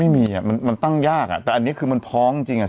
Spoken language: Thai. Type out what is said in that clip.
ไม่มีอ่ะมันมันตั้งยากอ่ะแต่อันนี้คือมันพ้องจริงอ่ะ